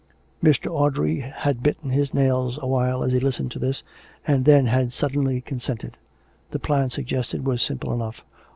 Mr. Audrey had bitten his nails a while as he listened to this, and then had suddenly consented. The plan sug gested was simple enough.